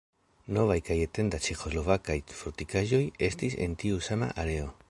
Novaj kaj etendaj ĉeĥoslovakaj fortikaĵoj estis en tiu sama areo.